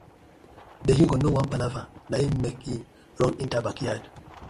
Di he-goat no wan palava na im mek him run enter bakyard.